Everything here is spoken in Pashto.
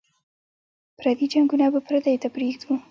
پردي جنګونه به پردیو ته پرېږدو.